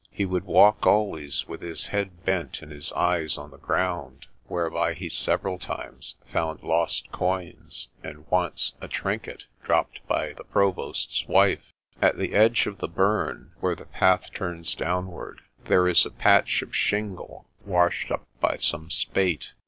He would walk always with his head bent and his eyes on the ground, whereby he several times found lost coins and once a trinket dropped by the provost's wife At the edge of the burn, where the path turns downward, there is a patch of shingle washed up by MAN ON KIRKCAPLE SHORE 15 some spate.